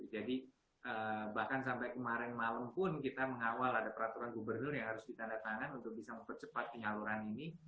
jadi bahkan sampai kemarin malam pun kita mengawal ada peraturan gubernur yang harus ditandai tangan untuk bisa mempercepat penyaluran ini